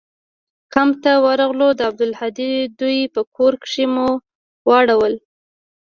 کمپ ته ورغلو د عبدالهادي دوى په کور کښې مو واړول.